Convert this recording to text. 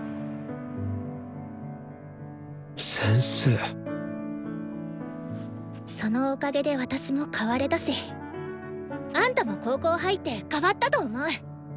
先生そのおかげで私も変われたしあんたも高校入って変わったと思う！